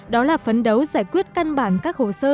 đó là phấn đấu giải quyết căn bản các hồ sơ